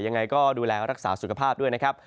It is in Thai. ยังไงก็ดูแลรักษาสุขภาพด้วยนะครับ